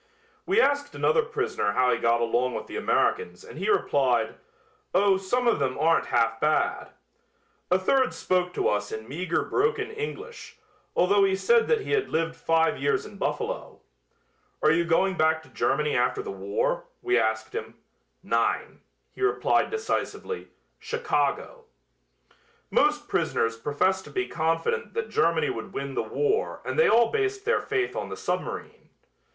We asked another prisoner how he got along with the Americans and he replied: "Oh, some of them aren't half bad." A third spoke to us in meager broken English, although he said that he had lived five years in Buffalo. "Are you going back to Germany after the war?" we asked him. "Nein," he replied decisively, "Chicago." Most prisoners professed to be confident that Germany would win the war and they all based their faith on the submarine.